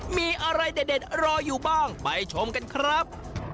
มีอะไรเด็ดรออยู่บ้างไปชมกันครับ